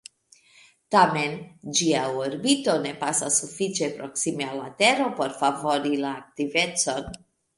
Tamen, ĝia orbito ne pasas sufiĉe proksime al la tero por favori la aktivecon.